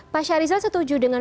pak syarizal setuju dengan